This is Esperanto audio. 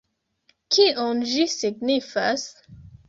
Kion ĝi signifas?